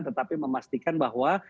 tetapi memastikan bahwa